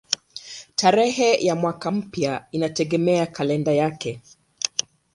Tarehe ya mwaka mpya inategemea kalenda yake.